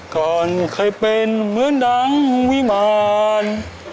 ก่อนเคยเป็นเหมือนดังวิมาร